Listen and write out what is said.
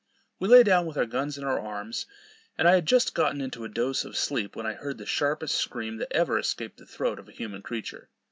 We lay down with our guns in our arms, and I had just gotten into a dose of sleep, when I heard the sharpest scream that ever escaped the throat of a human creature.